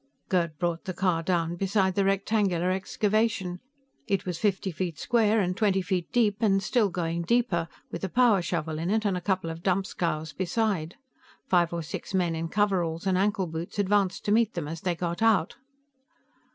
Gerd brought the car down beside the rectangular excavation. It was fifty feet square and twenty feet deep, and still going deeper, with a power shovel in it and a couple of dump scows beside. Five or six men in coveralls and ankle boots advanced to meet them as they got out.